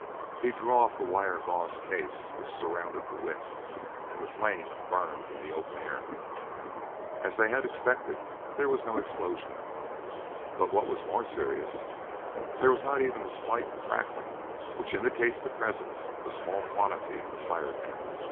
He drew off the wire gauze case which surrounded the wick, and the flame burned in the open air. As they had expected, there was no explosion, but, what was more serious, there was not even the slight crackling which indicates the presence of a small quantity of firedamp.